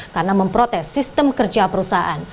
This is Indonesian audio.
karena memprotes sistem kerja perusahaan